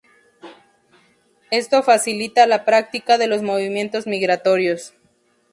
Esto facilita la práctica de los movimientos migratorios.